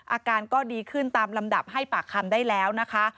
อาการก็ดีขึ้นตามลำดับให้ปากคำได้แล้วนะคะ